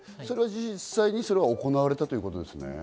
実際それは行われたということですね。